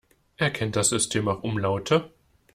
Erkennt das System auch Umlaute?